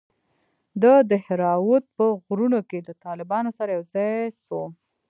د دهراوت په غرونو کښې له طالبانو سره يوځاى سوم.